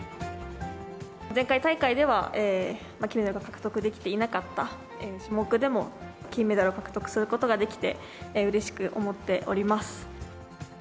前回大会では、金メダルが獲得できていなかった種目でも、金メダルを獲得することができて、うれしく思っております。